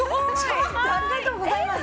ちょっとありがとうございます！